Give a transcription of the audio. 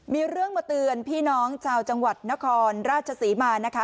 มีเรื่องมาเตือนพี่น้องชาวจังหวัดนครราชศรีมานะคะ